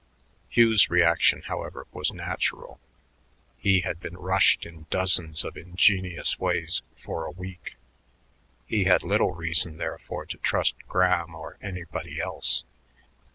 Hugh's reaction, however, was natural. He had been rushed in dozens of ingenious ways for a week; he had little reason, therefore, to trust Graham or anybody else.